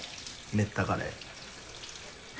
めったカレー。